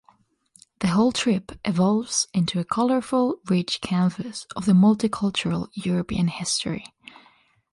The whole trip evolves into a colorful, rich canvas of the multicultural European history.